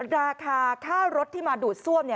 ราคาค่ารถที่มาดูดซ่วม